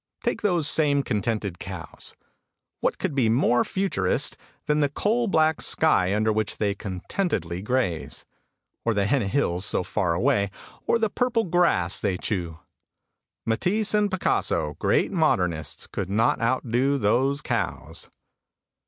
Take those same "contented cows." What could be more futurist than the coal black sky under which they so contentedly graze? Or the henna hills so far away, or the purple grass they chew. Matisse and Picasso, great modernists, could not out do those cows.